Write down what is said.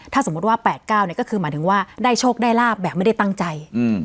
ถ้าสมมุติว่า๘๙ก็คือหมายถึงว่าได้โชคได้ลาบแบบไม่ได้ตั้งใจ